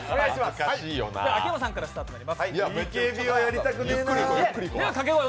秋山さんからスタートになります。